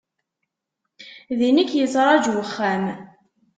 Din i k-yetraju wexxam.